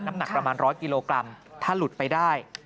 หนักประมาณ๑๐๐กิโลกรัมถ้าหลุดไปได้